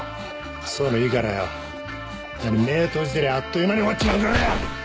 そういうのいいからよなに目閉じてりゃあっという間に終わっちまうからよ